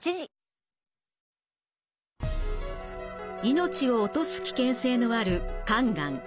命を落とす危険性のある肝がん。